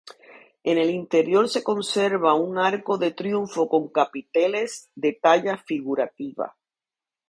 En el interior se conserva un arco de triunfo con capiteles de talla figurativa.